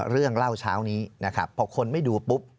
เรื่องเล่าเช้านี้นะครับพอคนไม่ดูปุ๊บ